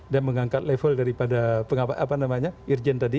dan mengangkat level daripada pengawas apa namanya irjen tadi